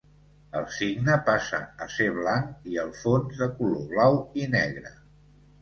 El cigne passa a ser blanc i el fons de color blau i negre.